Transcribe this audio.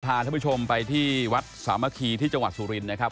พาท่านท่านผู้ชมไปที่วัดสามะคีที่จังหวัดสุรินนะครับ